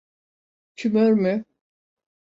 Tümör mü?